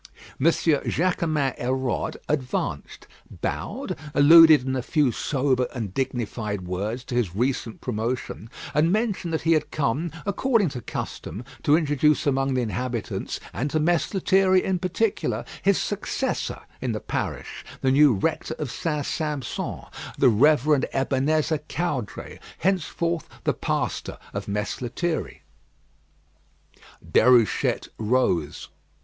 M. Jaquemin Hérode advanced, bowed, alluded in a few sober and dignified words to his recent promotion, and mentioned that he came according to custom to introduce among the inhabitants, and to Mess Lethierry in particular, his successor in the parish, the new Rector of St. Sampson, the Rev. Ebenezer Caudray, henceforth the pastor of Mess Lethierry. Déruchette rose.